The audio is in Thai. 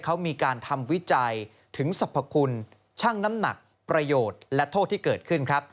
เขามีการทำวิจัยถึงสรรพคุณช่างน้ำหนักประโยชน์และโทษที่เกิดขึ้นครับ